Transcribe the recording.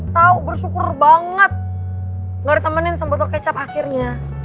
tau bersyukur banget ga ditemenin sebotol kecap akhirnya